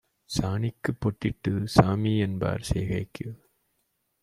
சாணிக்குப் பொட்டிட்டுச் சாமிஎன்பார் செய்கைக்கு